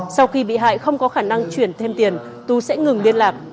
sau khi bị hại không có khả năng chuyển thêm tiền tú sẽ ngừng liên lạc